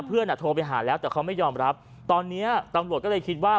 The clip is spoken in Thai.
อ่ะโทรไปหาแล้วแต่เขาไม่ยอมรับตอนนี้ตำรวจก็เลยคิดว่า